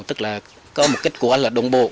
tức là có một kết quả là đồng bộ